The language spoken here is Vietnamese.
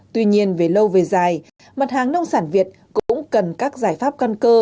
tuy nhiên về lâu về dài mặt hàng nông sản việt cũng cần các giải pháp căn cơ